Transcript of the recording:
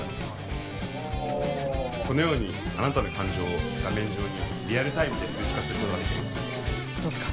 このようにあなたの感情を画面上にリアルタイムで数値化することができますどうっすか？